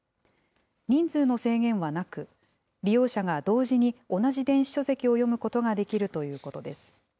人数の制限はなく、利用者が同時に同じ電子書籍を読むことができるということです。